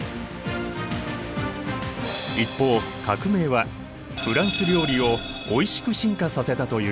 一方革命はフランス料理をおいしく進化させたという。